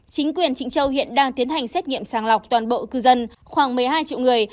chính quyền trị châu hiện đang tiến hành xét nghiệm sàng lọc toàn bộ cư dân khoảng một mươi hai triệu người